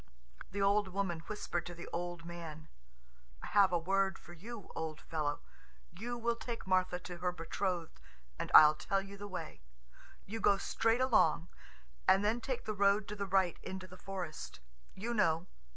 The old woman whispered to the old man: "I have a word for you, old fellow. You will take Martha to her betrothed, and I'll tell you the way. You go straight along, and then take the road to the right into the forest ... you know